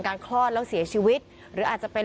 นะไม่รู้ว่ามัน